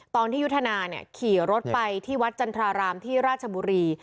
ยุทธนาขี่รถไปที่วัดจันทรารามที่ราชบุรี